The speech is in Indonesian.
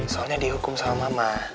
soalnya dihukum sama mama